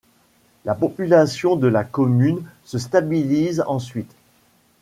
La population de la commune se stabilise ensuite.